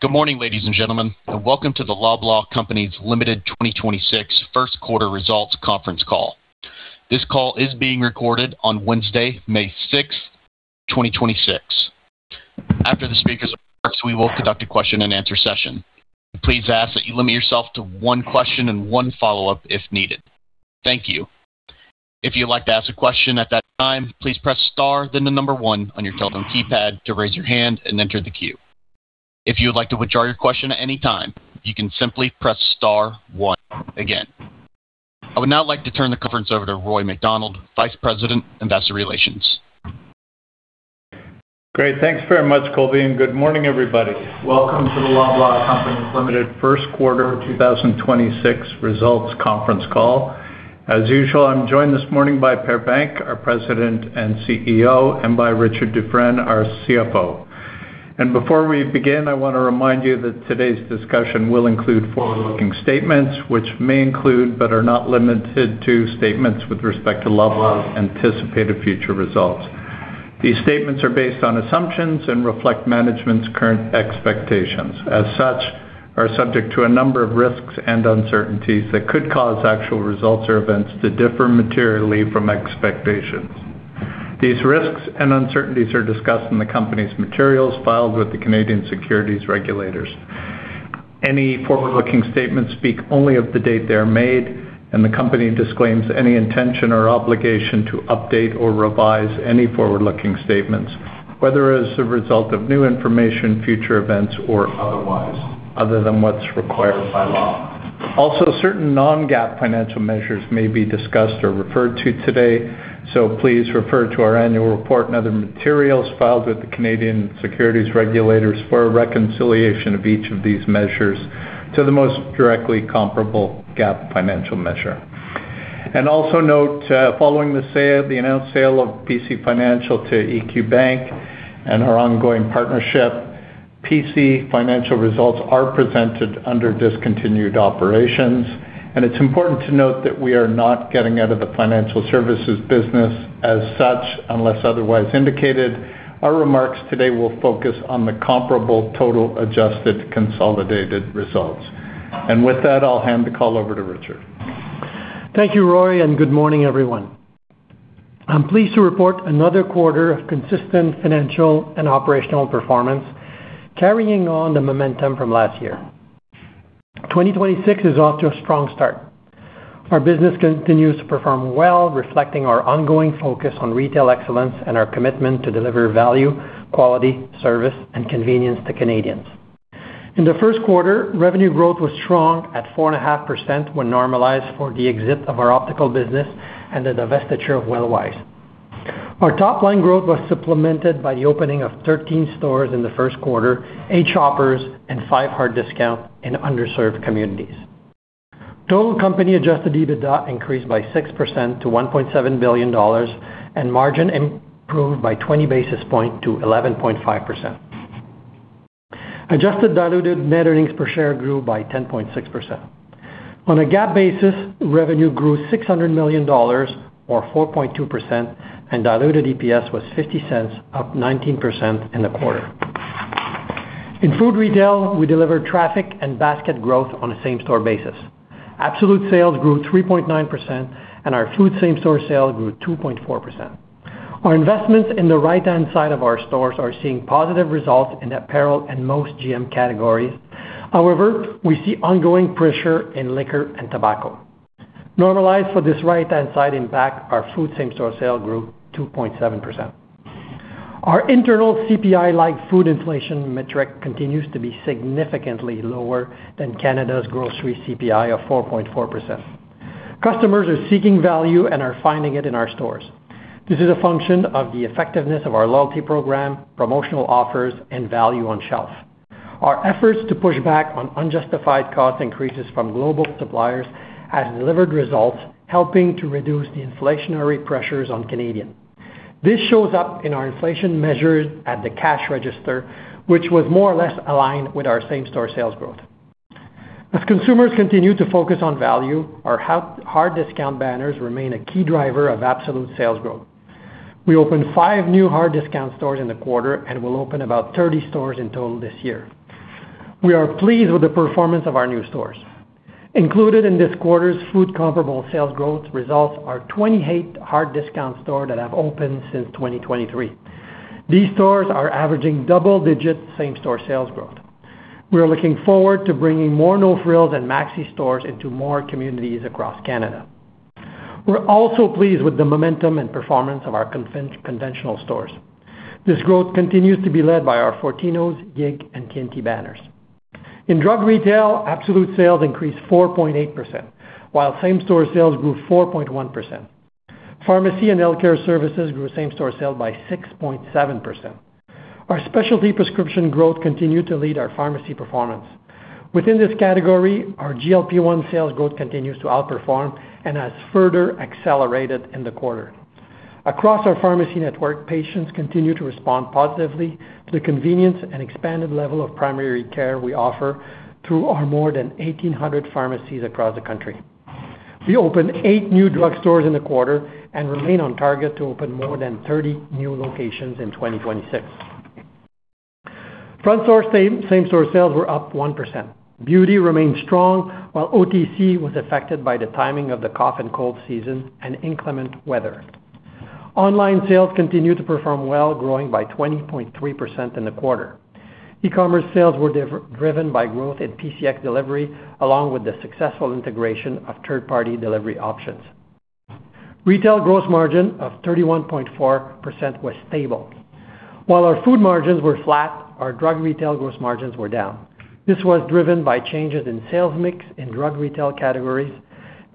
Good morning, ladies and gentlemen, welcome to the Loblaw Companies Limited 2026 Q1 results conference call. This call is being recorded on Wednesday, May 6, 2026. After the speakers' remarks, we will conduct a question-and-answer session. Please ask that you limit yourself to one question and one follow-up if needed. Thank you. If you'd like to ask a question at that time, please press star 1 on your telephone keypad to raise your hand and enter the queue. If you would like to withdraw your question at any time, you can simply press star one again. I would now like to turn the conference over to Roy MacDonald, Vice President, Investor Relations. Great. Thanks very much, Colby, and good morning, everybody. Welcome to the Loblaw Companies Limited Q1 2026 results conference call. As usual, I'm joined this morning by Per Bank, our President and Chief Executive Officer, and by Richard Dufresne, our CFO. Before we begin, I want to remind you that today's discussion will include forward-looking statements, which may include, but are not limited to, statements with respect to Loblaw anticipated future results. These statements are based on assumptions and reflect management's current expectations. As such, are subject to a number of risks and uncertainties that could cause actual results or events to differ materially from expectations. These risks and uncertainties are discussed in the Company's materials filed with the Canadian Securities Regulators. Any forward-looking statements speak only of the date they are made, and the company disclaims any intention or obligation to update or revise any forward-looking statements, whether as a result of new information, future events, or otherwise, other than what's required by law. Certain non-GAAP financial measures may be discussed or referred to today. Please refer to our annual report and other materials filed with the Canadian Securities Regulators for a reconciliation of each of these measures to the most directly comparable GAAP financial measure. Also note, following the announced sale of PC Financial to EQ Bank and our ongoing partnership, PC Financial results are presented under discontinued operations, and it's important to note that we are not getting out of the financial services business as such, unless otherwise indicated. Our remarks today will focus on the comparable total adjusted consolidated results. With that, I'll hand the call over to Richard. Thank you, Roy, and good morning, everyone. I'm pleased to report another quarter of consistent financial and operational performance, carrying on the momentum from last year. 2026 is off to a strong start. Our business continues to perform well, reflecting our ongoing focus on retail excellence and our commitment to deliver value, quality, service, and convenience to Canadians. In the Q1, revenue growth was strong at 4.5% when normalized for the exit of our optical business and the divestiture of Wellwise. Our top line growth was supplemented by the opening of 13 stores in the Q1, eight Shoppers and five hard discount in underserved communities. Total company adjusted EBITDA increased by 6% to 1.7 billion dollars, and margin improved by 20 basis points to 11.5%. Adjusted diluted net earnings per share grew by 10.6%. On a GAAP basis, revenue grew 600 million dollars or 4.2%. Diluted EPS was 0.50, up 19% in the quarter. In food retail, we delivered traffic and basket growth on a same-store basis. Absolute sales grew 3.9%. Our food same-store sales grew 2.4%. Our investments in the right-hand side of our stores are seeing positive results in apparel and most GM categories. However, we see ongoing pressure in liquor and tobacco. Normalized for this right-hand side impact, our food same-store sales grew 2.7%. Our internal CPI, like food inflation metric, continues to be significantly lower than Canada's grocery CPI of 4.4%. Customers are seeking value and are finding it in our stores. This is a function of the effectiveness of our loyalty program, promotional offers, and value on shelf. Our efforts to push back on unjustified cost increases from global suppliers has delivered results, helping to reduce the inflationary pressures on Canadian. This shows up in our inflation measures at the cash register, which was more or less aligned with our same-store sales growth. As consumers continue to focus on value, our hard discount banners remain a key driver of absolute sales growth. We opened five new hard discount stores in the quarter and will open about 30 stores in total this year. We are pleased with the performance of our new stores. Included in this quarter's food comparable sales growth results are 28 hard discount stores that have opened since 2023. These stores are averaging double-digit same-store sales growth. We are looking forward to bringing more No Frills and Maxi stores into more communities across Canada. We're also pleased with the momentum and performance of our conventional stores. This growth continues to be led by our Fortinos, YIG, and T&T banners. In drug retail, absolute sales increased 4.8%, while same-store sales grew 4.1%. Pharmacy and healthcare services grew same-store sales by 6.7%. Our specialty prescription growth continued to lead our pharmacy performance. Within this category, our GLP-1 sales growth continues to outperform and has further accelerated in the quarter. Across our pharmacy network, patients continue to respond positively to the convenience and expanded level of primary care we offer through our more than 1,800 pharmacies across the country. We opened eight new drug stores in the quarter and remain on target to open more than 30 new locations in 2026. Front store same-store sales were up 1%. Beauty remained strong, while OTC was affected by the timing of the cough and cold season and inclement weather. Online sales continued to perform well, growing by 20.3% in the quarter. E-commerce sales were driven by growth in PCX delivery, along with the successful integration of third-party delivery options. Retail gross margin of 31.4% was stable. While our food margins were flat, our drug retail gross margins were down. This was driven by changes in sales mix in drug retail categories,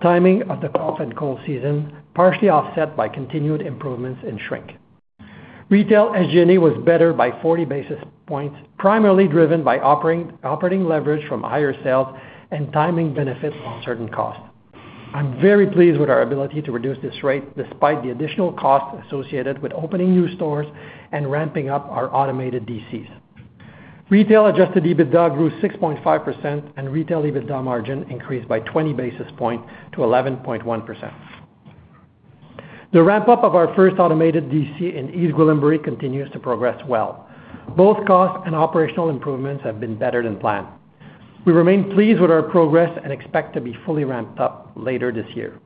timing of the cough and cold season, partially offset by continued improvements in shrink. Retail SG&A was better by 40 basis points, primarily driven by operating leverage from higher sales and timing benefit on certain costs. I'm very pleased with our ability to reduce this rate despite the additional costs associated with opening new stores and ramping up our automated DCs. Retail adjusted EBITDA grew 6.5%, and retail EBITDA margin increased by 20 basis points to 11.1%. The ramp-up of our first automated DC in East Gwillimbury continues to progress well. Both cost and operational improvements have been better than planned. We remain pleased with our progress and expect to be fully ramped up later this year.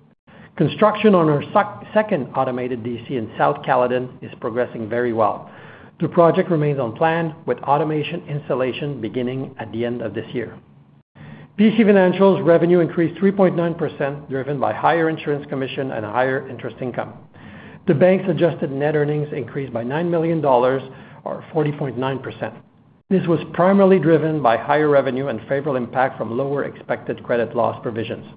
Construction on our second automated DC in South Caledon is progressing very well. The project remains on plan, with automation installation beginning at the end of this year. PC Financial's revenue increased 3.9%, driven by higher insurance commission and higher interest income. The bank's adjusted net earnings increased by 9 million dollars, or 40.9%. This was primarily driven by higher revenue and favorable impact from lower expected credit loss provisions.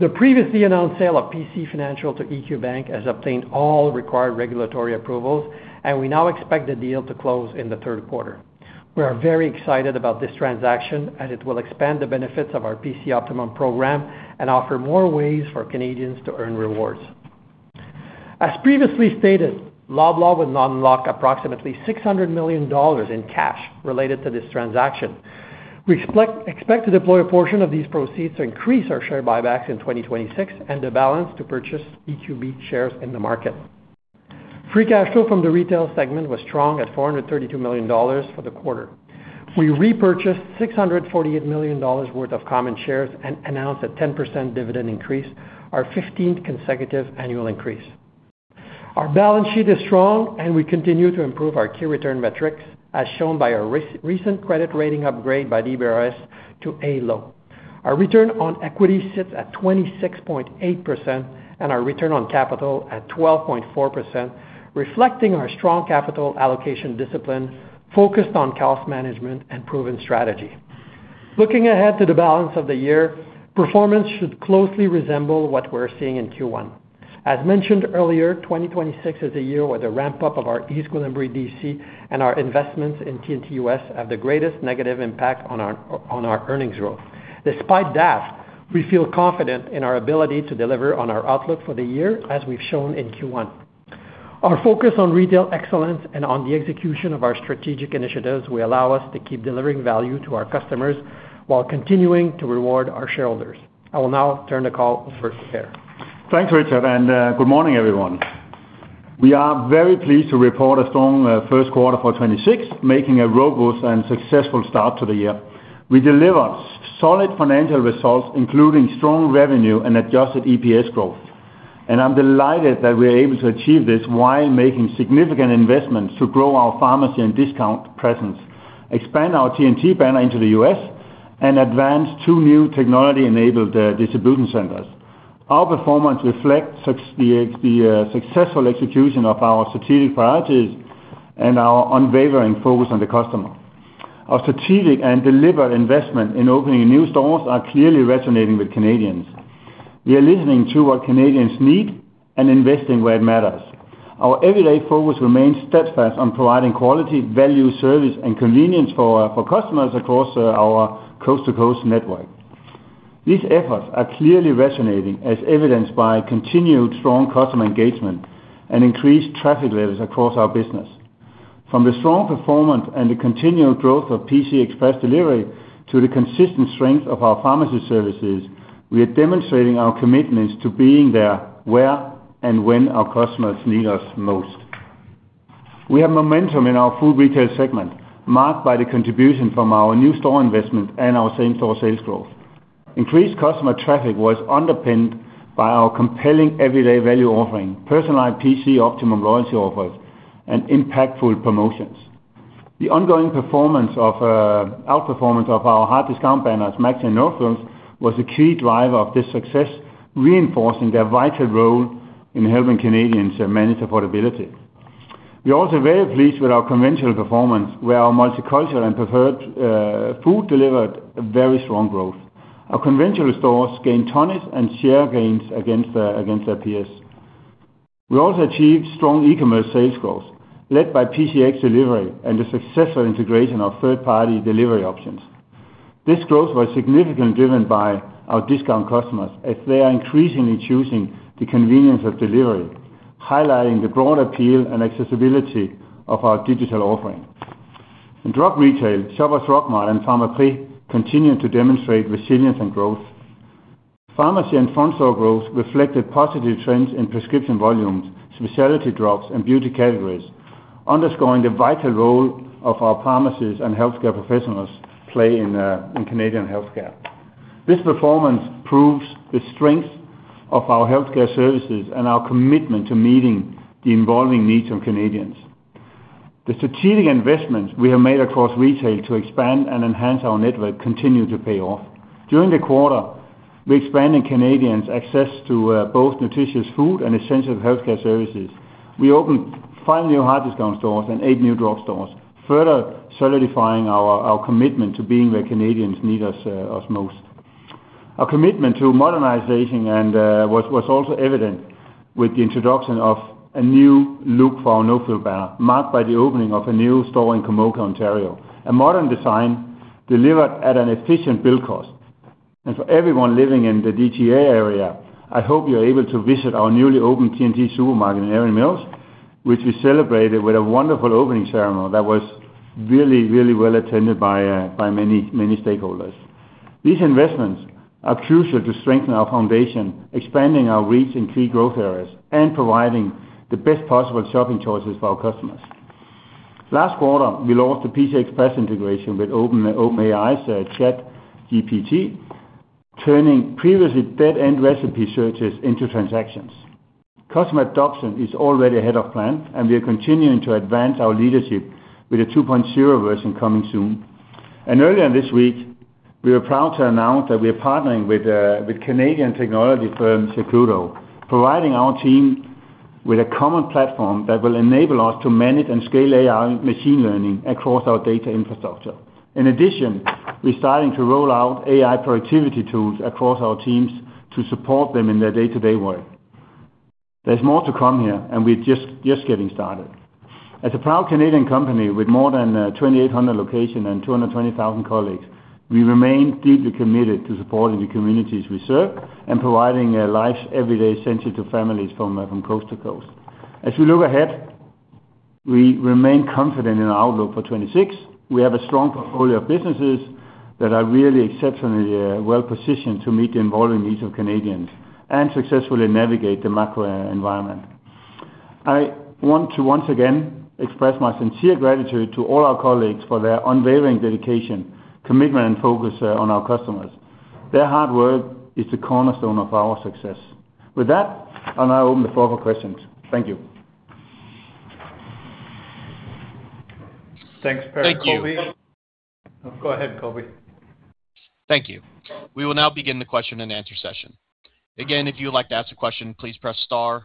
The previously announced sale of PC Financial to EQ Bank has obtained all required regulatory approvals, and we now expect the deal to close in the tQ3. We are very excited about this transaction, as it will expand the benefits of our PC Optimum program and offer more ways for Canadians to earn rewards. As previously stated, Loblaw will now unlock approximately 600 million dollars in cash related to this transaction. We expect to deploy a portion of these proceeds to increase our share buybacks in 2026 and the balance to purchase EQB shares in the market. Free cash flow from the retail segment was strong at 432 million dollars for the quarter. We repurchased 648 million dollars worth of common shares and announced a 10% dividend increase, our 15th consecutive annual increase. Our balance sheet is strong, we continue to improve our key return metrics, as shown by our recent credit rating upgrade by DBRS to A Low. Our return on equity sits at 26.8% and our return on capital at 12.4%, reflecting our strong capital allocation discipline focused on cost management and proven strategy. Looking ahead to the balance of the year, performance should closely resemble what we're seeing in Q1. As mentioned earlier, 2026 is a year where the ramp-up of our East Gwillimbury DC and our investments in T&T US have the greatest negative impact on our earnings growth. Despite that, we feel confident in our ability to deliver on our outlook for the year, as we've shown in Q1. Our focus on retail excellence and on the execution of our strategic initiatives will allow us to keep delivering value to our customers while continuing to reward our shareholders. I will now turn the call over to Per. Thanks, Richard, good morning, everyone. We are very pleased to report a strong Q1 for 2026, making a robust and successful start to the year. We delivered solid financial results, including strong revenue and adjusted EPS growth. I'm delighted that we're able to achieve this while making significant investments to grow our pharmacy and discount presence, expand our T&T banner into the U.S., and advance two new technology-enabled distribution centers. Our performance reflects the successful execution of our strategic priorities and our unwavering focus on the customer. Our strategic and deliberate investment in opening new stores are clearly resonating with Canadians. We are listening to what Canadians need and investing where it matters. Our everyday focus remains steadfast on providing quality, value, service, and convenience for customers across our coast-to-coast network. These efforts are clearly resonating, as evidenced by continued strong customer engagement and increased traffic levels across our business. From the strong performance and the continual growth of PC Express Delivery to the consistent strength of our pharmacy services, we are demonstrating our commitments to being there where and when our customers need us most. We have momentum in our food retail segment, marked by the contribution from our new store investment and our same-store sales growth. Increased customer traffic was underpinned by our compelling everyday value offering, personalized PC Optimum loyalty offers, and impactful promotions. The ongoing outperformance of our hard discount banners, Maxi and No Frills, was a key driver of this success, reinforcing their vital role in helping Canadians manage affordability. We're also very pleased with our conventional performance, where our multicultural and preferred food delivered a very strong growth. Our conventional stores gained tonnage and share gains against their peers. We also achieved strong e-commerce sales growth, led by PC Express Delivery and the successful integration of third-party delivery options. This growth was significantly driven by our discount customers, as they are increasingly choosing the convenience of delivery, highlighting the broad appeal and accessibility of our digital offering. In drug retail, Shoppers Drug Mart and Pharmaprix continue to demonstrate resilience and growth. Pharmacy and front store growth reflected positive trends in prescription volumes, specialty drugs and beauty categories, underscoring the vital role of our pharmacies and healthcare professionals play in Canadian healthcare. This performance proves the strength of our healthcare services and our commitment to meeting the evolving needs of Canadians. The strategic investments we have made across retail to expand and enhance our network continue to pay off. During the quarter, we expanded Canadians' access to both nutritious food and essential healthcare services. We opened five new hard discount stores and eight new drug stores, further solidifying our commitment to being where Canadians need us most. Our commitment to modernization was also evident with the introduction of a new look for our No Frills banner, marked by the opening of a new store in Komoka, Ontario. A modern design delivered at an efficient build cost. For everyone living in the GTA area, I hope you're able to visit our newly opened T&T Supermarket in Erin Mills, which we celebrated with a wonderful opening ceremony that was really well attended by many stakeholders. These investments are crucial to strengthen our foundation, expanding our reach in key growth areas, and providing the best possible shopping choices for our customers. Last quarter, we launched the PC Express integration with OpenAI, so ChatGPT, turning previously dead-end recipe searches into transactions. Customer adoption is already ahead of plan. We are continuing to advance our leadership with the 2.0 version coming soon. Earlier this week, we were proud to announce that we are partnering with Canadian technology firm Secudo, providing our team with a common platform that will enable us to manage and scale AI and machine learning across our data infrastructure. In addition, we're starting to roll out AI productivity tools across our teams to support them in their day-to-day work. There's more to come here. We're just getting started. As a proud Canadian company with more than 2,800 locations and 220,000 colleagues, we remain deeply committed to supporting the communities we serve and providing a life's everyday essential to families from coast-to-coast. As we look ahead, we remain confident in our outlook for 2026. We have a strong portfolio of businesses that are really exceptionally well-positioned to meet the evolving needs of Canadians and successfully navigate the macro environment. I want to once again express my sincere gratitude to all our colleagues for their unwavering dedication, commitment, and focus on our customers. Their hard work is the cornerstone of our success. With that, I'll now open the floor for questions. Thank you. Thanks, Per. Thank you. Go ahead, Colby. Thank you. We will now begin the question and answer session. Again, if you would like to ask a question, please press star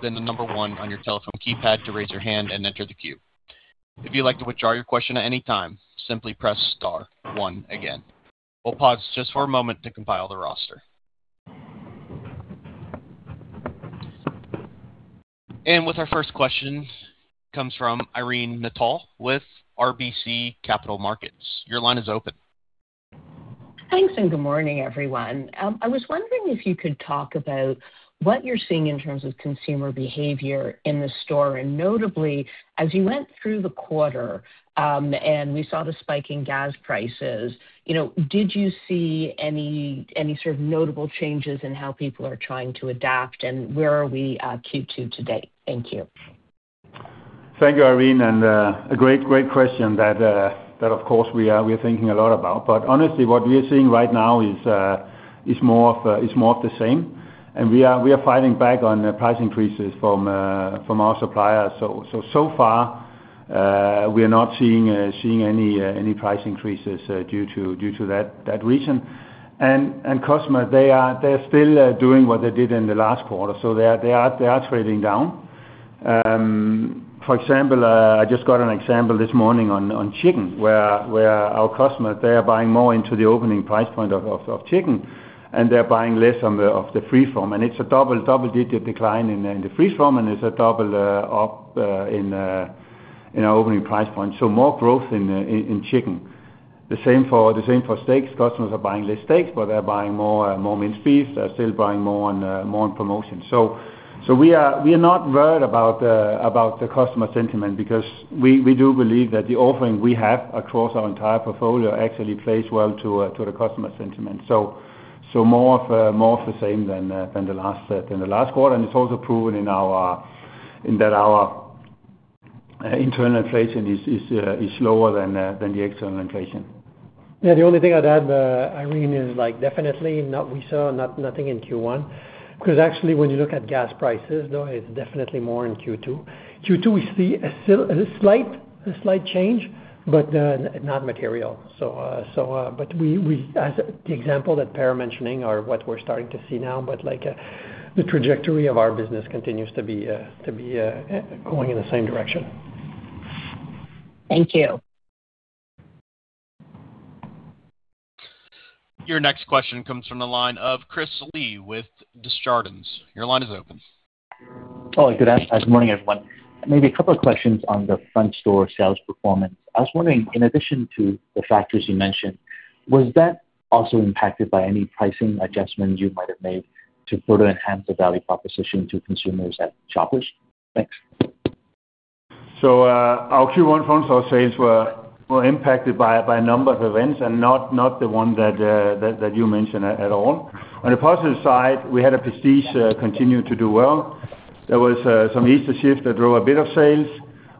then the number 1 on your telephone keypad to raise your hand and enter the queue. If you'd like to withdraw your question at any time, simply press star 1 again. We'll pause just for a moment to compile the roster. With our first question comes from Irene Nattel with RBC Capital Markets. Your line is open. Thanks, good morning, everyone. I was wondering if you could talk about what you're seeing in terms of consumer behavior in the store. Notably, as you went through the quarter, and we saw the spike in gas prices, you know, did you see any sort of notable changes in how people are trying to adapt, and where are we at Q2-to-date? Thank you. Thank you, Irene, and a great question that of course we are thinking a lot about. Honestly, what we are seeing right now is more of the same. We are fighting back on the price increases from our suppliers. So far, we are not seeing any price increases due to that reason. Customers, they are still doing what they did in the last quarter. They are trading down. For example, I just got an example this morning on chicken, where our customers, they are buying more into the opening price point of chicken, and they're buying less of the Free Form. It's a double-digit decline in the Free Form, it's a double up in our opening price point. More growth in chicken. The same for steaks. Customers are buying less steaks, but they're buying more minced beef. They're still buying more on promotion. We are not worried about the customer sentiment because we do believe that the offering we have across our entire portfolio actually plays well to the customer sentiment. More of the same than the last quarter. It's also proven in that our internal inflation is lower than the external inflation. Yeah, the only thing I'd add, Irene, is like definitely not we saw not-nothing in Q1, 'cause actually, when you look at gas prices, though, it's definitely more in Q2. Q2, we see a slight change, but not material. But we, as the example that Per mentioning are what we're starting to see now, but like, the trajectory of our business continues to be going in the same direction. Thank you. Your next question comes from the line of Chris Li with Desjardins. Your line is open. Good morning, everyone. Maybe two questions on the front store sales performance. I was wondering, in addition to the factors you mentioned, was that also impacted by any pricing adjustments you might have made to further enhance the value proposition to consumers and Shoppers? Thanks. Our Q1 front-store sales were impacted by a number of events and not the one that you mentioned at all. On the positive side, we had a prestige continue to do well. There was some Easter shift that drove a bit of sales,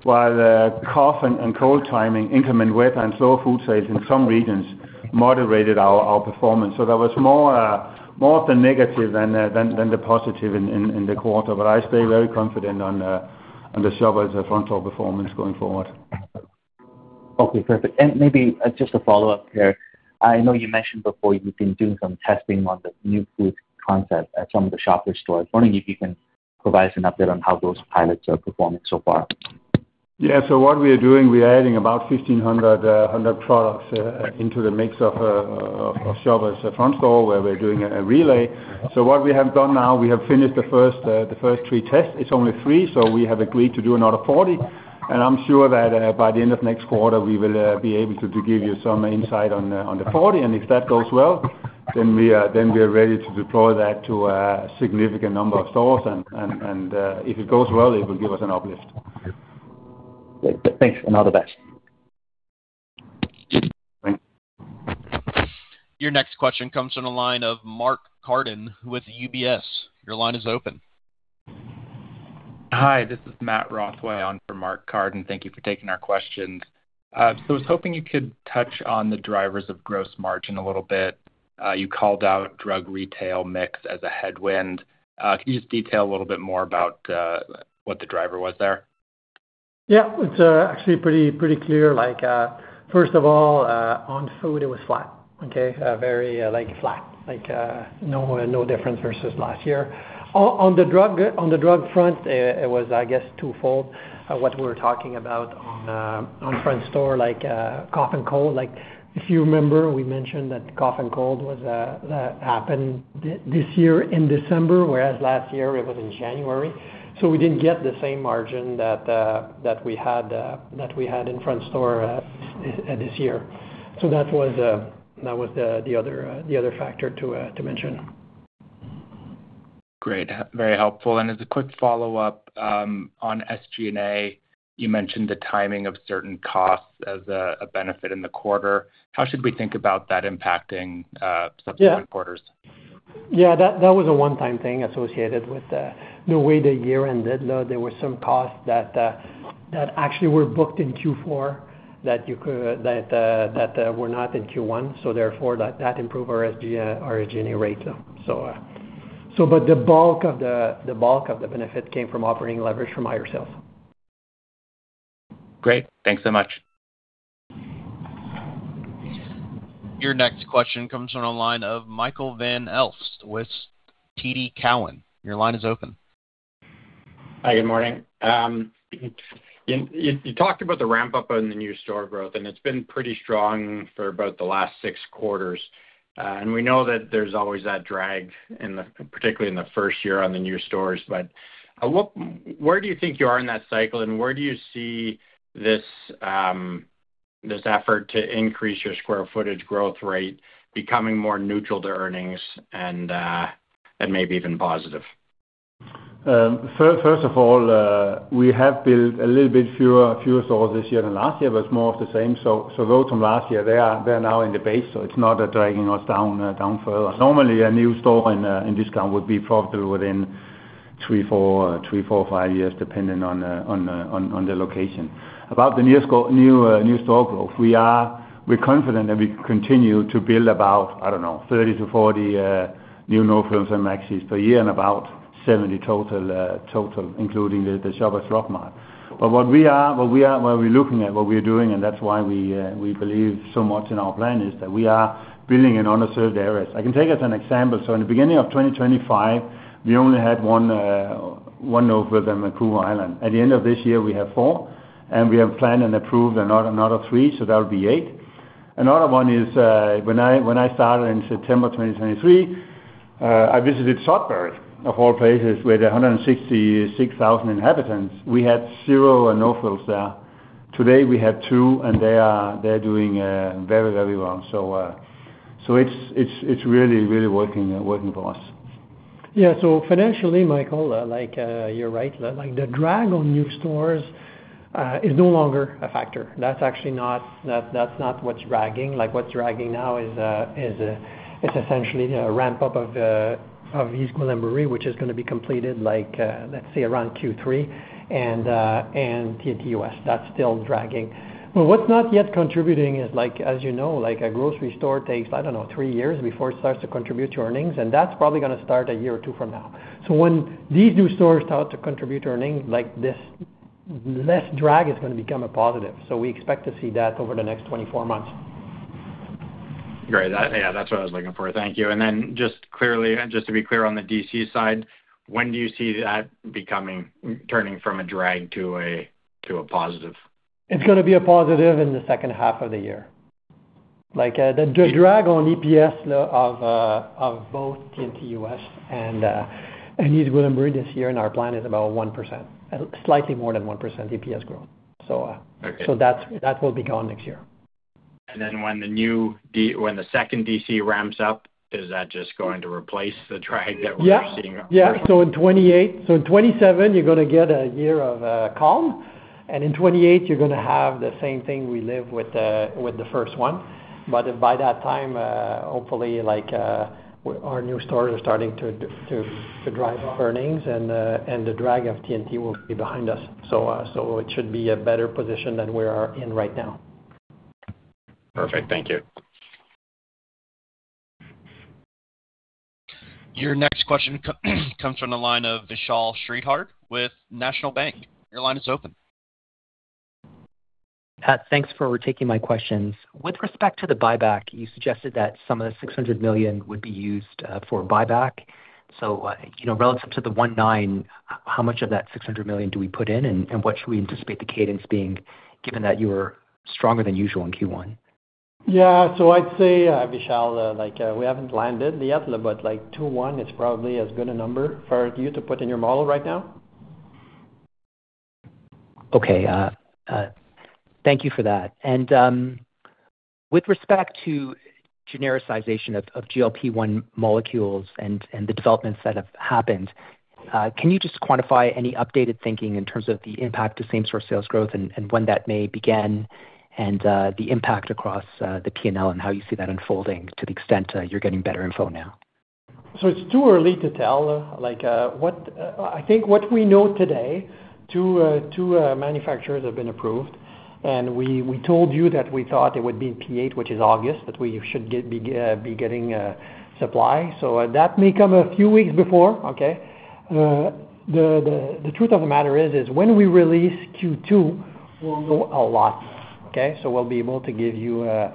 while the cough and cold timing, inclement weather, and slower food sales in some regions moderated our performance. There was more of the negative than the positive in the quarter. I stay very confident on the Shoppers front-store performance going forward. Okay, perfect. Maybe just a follow-up here. I know you mentioned before you've been doing some testing on the new food concept at some of the Shoppers stores. I'm wondering if you can provide us an update on how those pilots are performing so far? What we are doing, we are adding about 1,500 products into the mix of Shoppers front store where we're doing a relay. What we have done now, we have finished the first three tests. It's only three, we have agreed to do another 40. I'm sure that by the end of next quarter, we will be able to give you some insight on the 40. If that goes well, then we are ready to deploy that to a significant number of stores. If it goes well, it will give us an uplift. Great. Thanks, and all the best. Thanks. Your next question comes from the line of Mark Carden with UBS. Your line is open. Hi, this is Matthew Rothway on for Mark Carden. Thank you for taking our questions. I was hoping you could touch on the drivers of gross margin a little bit. You called out drug retail mix as a headwind. Can you just detail a little bit more about what the driver was there? Yeah. It's actually pretty clear. First of all, on food it was flat. Okay? Very flat, no difference versus last year. On the drug front, it was, I guess, twofold, what we were talking about on front store, cough and cold. If you remember, we mentioned that cough and cold was happened this year in December, whereas last year it was in January. We didn't get the same margin that we had that we had in front store this year. That was that was the other the other factor to mention. Great. Very helpful. As a quick follow-up, on SG&A, you mentioned the timing of certain costs as a benefit in the quarter. How should we think about that impacting subsequent quarters? Yeah. That was a one-time thing associated with the way the year ended. There were some costs that actually were booked in Q4 that were not in Q1, so therefore that improved our SG&A rate. The bulk of the benefit came from operating leverage from higher sales. Great. Thanks so much. Your next question comes from the line of Michael Van Aelst with TD Cowen. Your line is open. Hi, good morning. You talked about the ramp-up on the new store growth, it's been pretty strong for about the last six quarters. We know that there's always that drag particularly in the first year on the new stores. Where do you think you are in that cycle, where do you see this effort to increase your square footage growth rate becoming more neutral to earnings, maybe even positive? First of all, we have built a little bit fewer stores this year than last year, but it's more of the same. Those from last year, they are now in the base, so it's not dragging us down further. Normally, a new store in discount would be profitable within 3, 4, 5 years, depending on the location. About the new store growth, we're confident that we continue to build about, I don't know, 30-40 new No Frills and Maxis per year and about 70 total, including the Shoppers Drug Mart. What we are, what we're looking at, what we're doing, and that's why we believe so much in our plan, is that we are building in underserved areas. I can take as an example. In the beginning of 2025, we only had one No Frills in Vancouver Island. At the end of this year, we have four, and we have planned and approved another three, so that'll be eight. Another one is, when I started in September 2023, I visited Sudbury, of all places, with 166,000 inhabitants. We had zero No Frills there. Today, we have two, and they're doing very well. It's really working for us. Yeah. Financially, Michael, like, you're right. Like, the drag on new stores is no longer a factor. That's actually not, that's not what's dragging. Like, what's dragging now is essentially a ramp-up of East Gwillimbury, which is gonna be completed like, let's say around Q3, and T&T US. That's still dragging. What's not yet contributing is like, as you know, like a grocery store takes, I don't know, three years before it starts to contribute to earnings, and that's probably gonna start a year or two from now. When these new stores start to contribute to earnings, like this less drag is gonna become a positive. We expect to see that over the next 24 months. Great. That, yeah, that's what I was looking for. Thank you. Then just clearly, just to be clear on the DC side, when do you see that turning from a drag to a positive? It's gonna be a positive in the H2 of the year. The drag on EPS of both T&T US and East Gwillimbury this year in our plan is about 1%, slightly more than 1% EPS growth. That will be gone next year. When the new the second DC ramps up, is that just going to replace the drag that? Yeah -seeing? Yeah. In 2027 you're gonna get a year of calm, and in 2028 you're gonna have the same thing we live with with the first one. By that time, hopefully, like, our new stores are starting to drive up earnings and the drag of T&T will be behind us. So it should be a better position than we are in right now. Perfect. Thank you. Your next question comes from the line of Vishal Shreedhar with National Bank. Your line is open. Thanks for taking my questions. With respect to the buyback, you suggested that some of the 600 million would be used for buyback. You know, relative to the 1.9, how much of that 600 million do we put in, and what should we anticipate the cadence being, given that you were stronger than usual in Q1? Yeah. I'd say, Vishal, like, we haven't landed yet, but, like, 2.1 is probably as good a number for you to put in your model right now. Okay. Thank you for that. With respect to genericization of GLP-1 molecules and the developments that have happened, can you just quantify any updated thinking in terms of the impact to same-store sales growth and when that may begin, and the impact across the P&L and how you see that unfolding to the extent you're getting better info now? It's too early to tell. Like, what I think what we know today, two manufacturers have been approved. We told you that we thought it would be in P8, which is August, but we should be getting supply. That may come a few weeks before. The truth of the matter is when we release Q2, we'll know a lot. We'll be able to give you a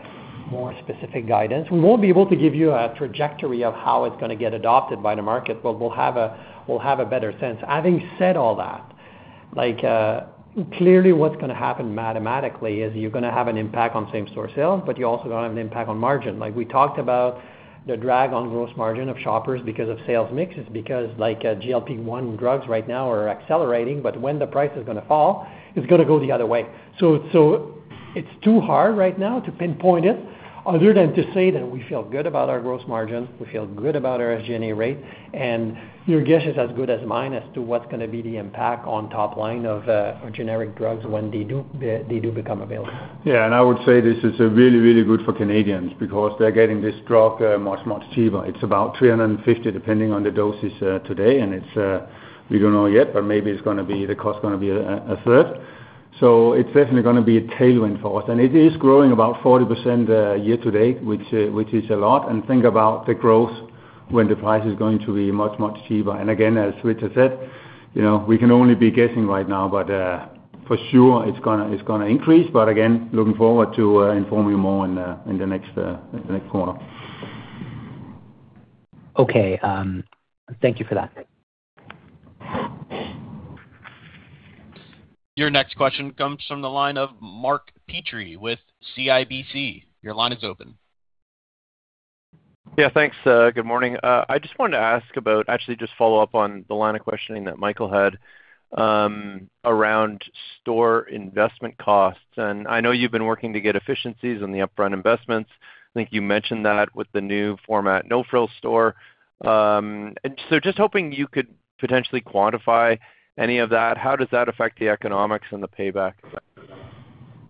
more specific guidance. We won't be able to give you a trajectory of how it's gonna get adopted by the market, but we'll have a better sense. Having said all that, like, clearly what's gonna happen mathematically is you're gonna have an impact on same-store sales, but you're also gonna have an impact on margin. Like, we talked about the drag on gross margin of Shoppers because of sales mixes, because, like, GLP-1 drugs right now are accelerating, but when the price is gonna fall, it's gonna go the other way. So it's too hard right now to pinpoint it other than to say that we feel good about our gross margins, we feel good about our SG&A rate, and your guess is as good as mine as to what's gonna be the impact on top line of generic drugs when they do, they do become available. Yeah, I would say this is really, really good for Canadians because they're getting this drug much, much cheaper. It's about 350, depending on the doses today, we don't know yet, but maybe the cost gonna be a third. It's definitely gonna be a tailwind for us. It is growing about 40% year-to-date, which is a lot, think about the growth when the price is going to be much, much cheaper. Again, as Richard said, you know, we can only be guessing right now, for sure it's gonna increase. Again, looking forward to inform you more in the next quarter. Okay. Thank you for that. Your next question comes from the line of Mark Petrie with CIBC. Your line is open. Yeah, thanks. Good morning. I just wanted to ask about, actually just follow up on the line of questioning that Michael had around store investment costs. I know you've been working to get efficiencies on the upfront investments. I think you mentioned that with the new format No Frills store. Just hoping you could potentially quantify any of that. How does that affect the economics and the payback?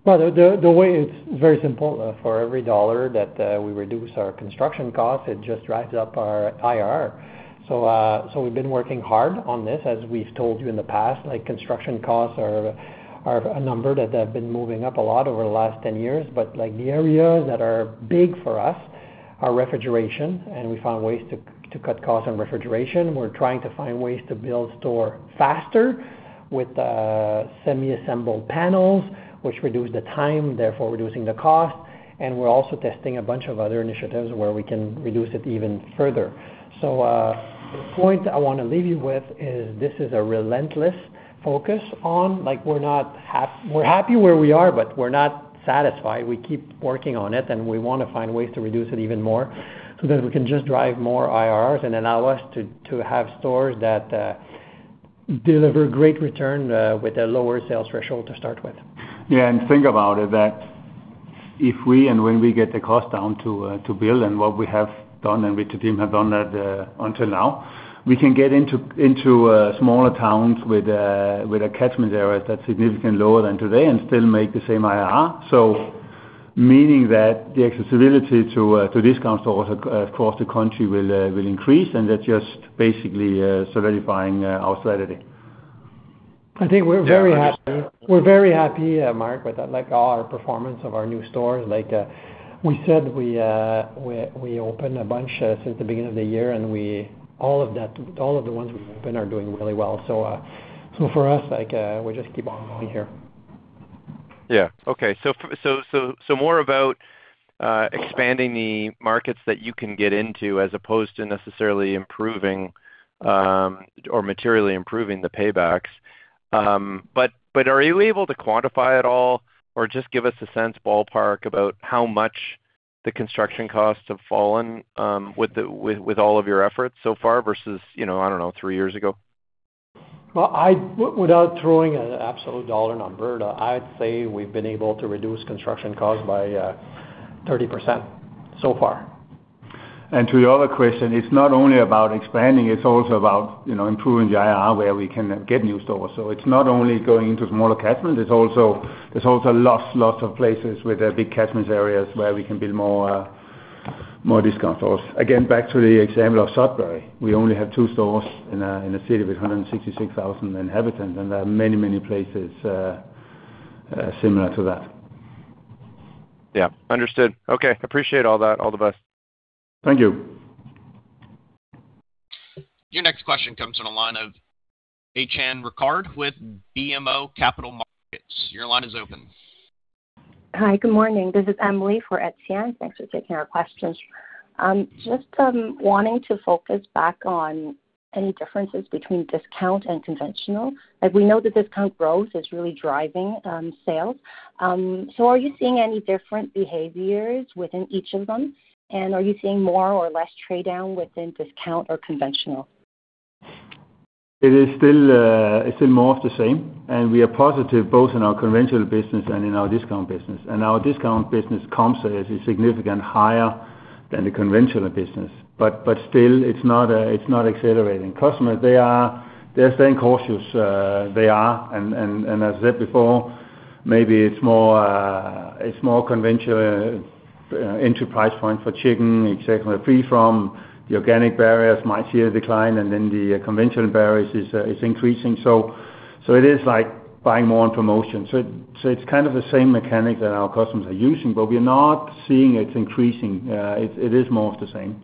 Well, the way it's very simple. For every dollar that we reduce our construction cost, it just drives up our IRR. We've been working hard on this, as we've told you in the past, like, construction costs are a number that have been moving up a lot over the last 10 years. Like, the areas that are big for us are refrigeration, and we found ways to cut costs on refrigeration. We're trying to find ways to build store faster with semi-assembled panels, which reduce the time, therefore reducing the cost. We're also testing a bunch of other initiatives where we can reduce it even further. The point I want to leave you with is this is a relentless focus on, like, we're not happy where we are, but we're not satisfied. We keep working on it, and we wanna find ways to reduce it even more so that we can just drive more IRRs and allow us to have stores that deliver great return with a lower sales threshold to start with. Yeah. Think about it that if we and when we get the cost down to build and what we have done, and which the team have done that until now, we can get into smaller towns with a catchment area that's significantly lower than today and still make the same IRR. Meaning that the accessibility to these stores across the country will increase, and that's just basically solidifying our strategy. I think we're very happy. Yeah, I understand. We're very happy, Mark, with, like, our performance of our new stores. Like, we said we opened a bunch since the beginning of the year, and all of the ones we've opened are doing really well. For us, like, we just keep on going here. Yeah. Okay. More about expanding the markets that you can get into as opposed to necessarily improving or materially improving the paybacks. But are you able to quantify at all or just give us a sense ballpark about how much the construction costs have fallen with the all of your efforts so far versus, you know, I don't know, three years ago? Well, without throwing an absolute dollar number, I'd say we've been able to reduce construction costs by 30% so far. To your other question, it's not only about expanding, it's also about, you know, improving the IR where we can get new stores. It's not only going into smaller catchments, it's also, there's also lots of places with big catchments areas where we can build more discount stores. Again, back to the example of Sudbury. We only have stores in a city with 166,000 inhabitants, and there are many, many places similar to that. Yeah. Understood. Okay. Appreciate all that. All the best. Thank you. Your next question comes from the line of Tamy Chen with BMO Capital Markets. Your line is open. Hi, good morning. This is Emily for Tamy Chen. Thanks for taking our questions. Just wanting to focus back on any differences between discount and conventional. Like, we know the discount growth is really driving sales. Are you seeing any different behaviors within each of them? Are you seeing more or less trade down within discount or conventional? It is still more of the same. We are positive both in our conventional business and in our discount business. Our discount business comp sales is significantly higher than the conventional business. Still, it's not, it's not accelerating. Customers, they are staying cautious. As I said before, maybe it's more, it's more conventional, into price point for chicken, et cetera. Free from the organic barriers might see a decline, and then the conventional barriers is increasing. It is like buying more on promotion. It's kind of the same mechanic that our customers are using, but we're not seeing it increasing. It is more of the same.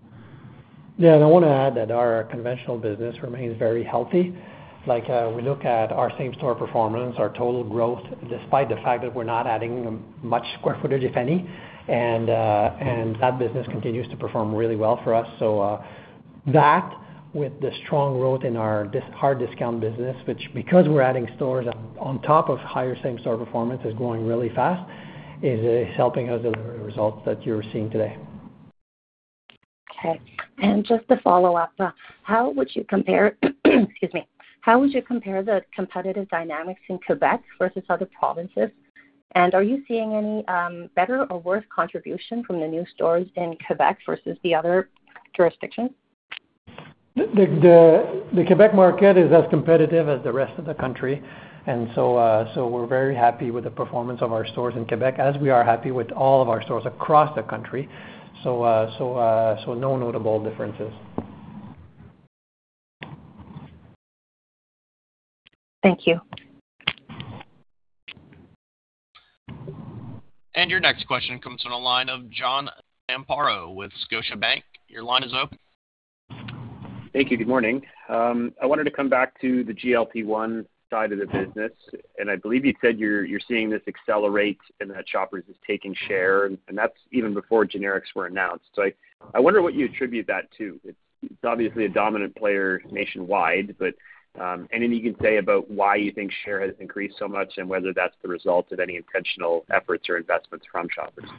Yeah, I wanna add that our conventional business remains very healthy. Like, we look at our same store performance, our total growth, despite the fact that we're not adding much square footage, if any. That business continues to perform really well for us. That with the strong growth in our hard discount business, which because we're adding stores on top of higher same store performance, is growing really fast, is helping us deliver the results that you're seeing today. Okay. Just to follow up, Excuse me. How would you compare the competitive dynamics in Quebec versus other provinces? Are you seeing any better or worse contribution from the new stores in Quebec versus the other jurisdictions? The Quebec market is as competitive as the rest of the country. We're very happy with the performance of our stores in Quebec, as we are happy with all of our stores across the country. No notable differences. Thank you. Your next question comes from the line of John Zamparo with Scotiabank. Your line is open. Thank you. Good morning. I wanted to come back to the GLP-1 side of the business, and I believe you said you're seeing this accelerate and that Shoppers is taking share, and that's even before generics were announced. I wonder what you attribute that to. It's obviously a dominant player nationwide, but anything you can say about why you think share has increased so much and whether that's the result of any intentional efforts or investments from Shoppers?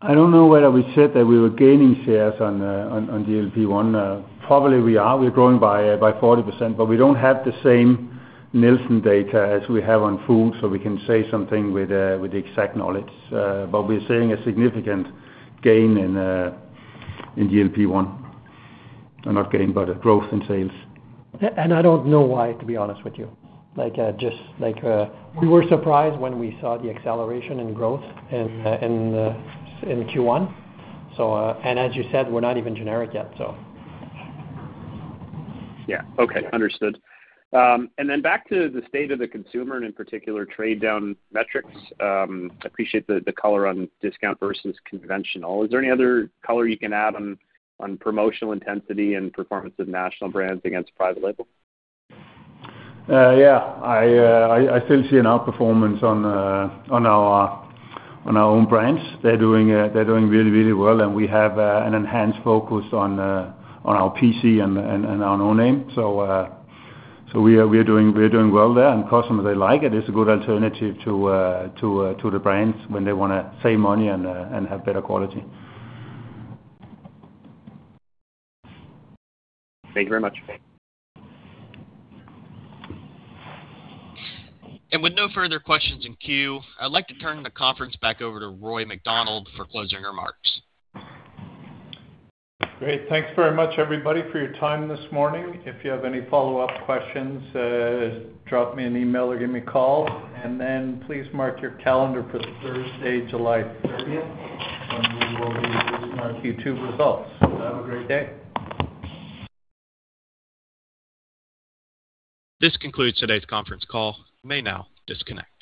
I don't know whether we said that we were gaining shares on GLP-1. Probably we are. We're growing by 40%, but we don't have the same Nielsen data as we have on food, so we can say something with exact knowledge. We're seeing a significant gain in GLP-1. Not gain, but a growth in sales. I don't know why, to be honest with you. Like, just like, we were surprised when we saw the acceleration in growth in Q1. And as you said, we're not even generic yet. Yeah. Okay. Understood. Back to the state of the consumer and in particular trade down metrics, appreciate the color on discount versus conventional. Is there any other color you can add on promotional intensity and performance of national brands against private label? Yeah. I still see an outperformance on our own brands. They're doing really, really well, and we have an enhanced focus on our PC and our own name. We are doing well there. Customers, they like it. It's a good alternative to the brands when they wanna save money and have better quality. Thank you very much. With no further questions in queue, I'd like to turn the conference back over to Roy MacDonald for closing remarks. Great. Thanks very much, everybody, for your time this morning. If you have any follow-up questions, drop me an email or give me a call. Please mark your calendar for Thursday, July 30th, when we will be releasing our Q2 results. Have a great day. This concludes today's conference call. You may now disconnect.